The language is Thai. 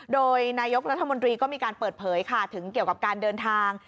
โดยนายกรัฐมนตรีก็มีการเปิดเผยค่ะถึงเกี่ยวกับการเดินทาง